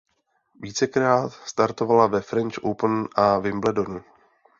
Vícekrát startovala ve French Open a Wimbledonu.